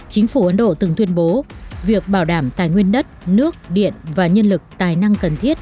chính phủ ấn độ từng tuyên bố việc bảo đảm tài nguyên đất nước điện và nhân lực tài năng cần thiết